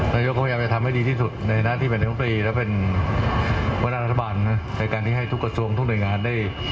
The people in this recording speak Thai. นายกก็พยายามจะทำให้ดีที่สุดในหน้าที่แบ่งกรัฐมนตรีและเป็นประวัติราชบาลแบ่งที่ให้ทุกกระทรวงทุกหน่วยงานได้